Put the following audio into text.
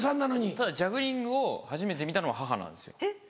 ただジャグリングを初めて見たのは母なんですよ。